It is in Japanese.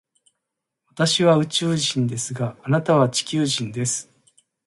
私は宇宙人ですが、あなたは地球人です。